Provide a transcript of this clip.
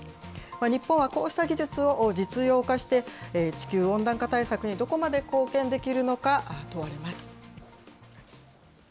日本はこうした技術を実用化して、地球温暖化対策にどこまで貢献できるのか、問われます。